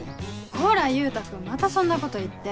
こら優太君またそんなこと言って。